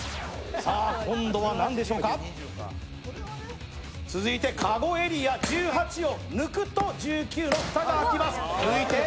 今度は何でしょうか、続いてかごエリア、１８を抜くと１９の蓋が開きます。